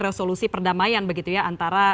resolusi perdamaian begitu ya antara